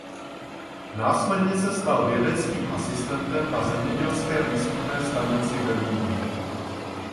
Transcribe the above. Následně se stal vědeckým asistentem na zemědělské výzkumné stanici ve Vídni.